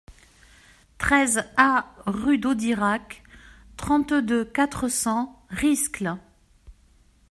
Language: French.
treize A rue Daudirac, trente-deux, quatre cents, Riscle